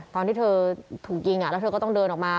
ตอนที่เธอถูกยิงแล้วเธอก็ต้องเดินออกมา